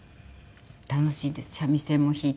楽しいです三味線も弾いて。